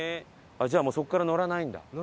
あっじゃあもうそこから乗らないんだ。